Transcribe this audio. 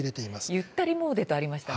ゆったりもうでとありましたね。